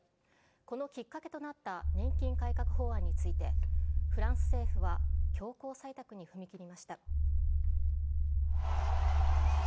このきっかけとなった年金改革法案について、フランス政府は強行採択に踏み切りました。